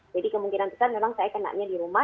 jadi kemungkinan besar memang saya kenanya di rumah